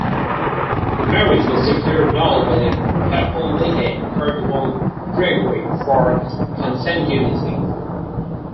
The marriage was declared null by the papal legate Cardinal Gregory for consanguinity.